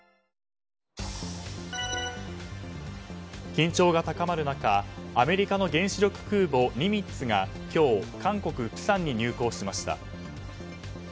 緊張が高まる中アメリカの原子力空母「ニミッツ」が今日、韓国プサンに入港しました。